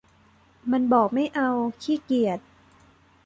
มันบอกไม่เอา ขี้เกียจ